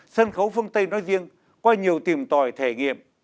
sân khấu phương tây nói riêng qua nhiều tìm tòi thể nghiệm